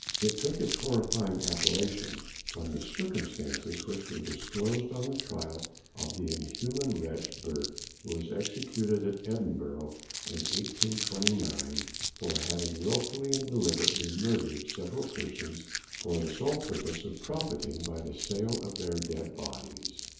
It took its horrifying appellation from the circumstances which were disclosed on the trial of the inhuman wretch Burke, who was executed at Edinburgh in 1829, for having wilfully and deliberately murdered several persons for the sole purpose of profiting by the sale of their dead bodies.